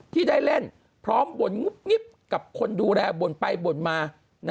ที่ได้เล่นพร้อมบ่นงุบงิบกับคนดูแลบ่นไปบ่นมา